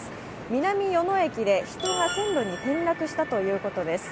南与野駅で人が線路に転落したということです。